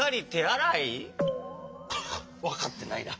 わかってないな。